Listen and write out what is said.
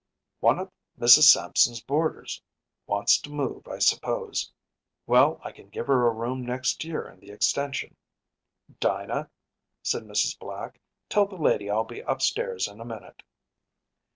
“One of Mrs. Sampson’s boarders; wants to move, I suppose. Well, I can give her a room next year in the extension. Dinah,‚ÄĚ said Mrs. Black, “tell the lady I’ll be upstairs in a minute.